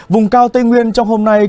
vùng cao tây nguyên trong hôm nay